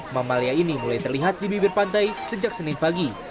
mamalia ini mulai terlihat di bibir pantai sejak senin pagi